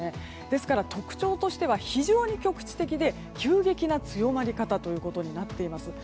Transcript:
ですから、特徴としては非常に局地的で急激な強まり方となっています。